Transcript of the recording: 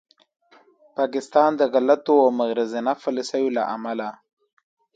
پاکستان د غلطو او مغرضانه پالیسیو له امله